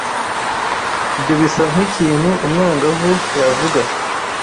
Ibyo bisa nkikintu umwangavu yavuga.